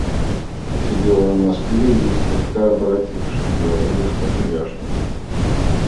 Сидела она спереди и, слегка оборотившись, говорила что-то Яшвину.